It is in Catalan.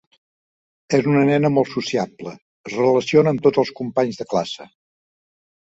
És una nena molt sociable, es relaciona amb tots els companys de classe.